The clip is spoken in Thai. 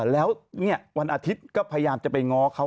แล้ววันอาทิตย์ก็พยายามจะไปง้อเขา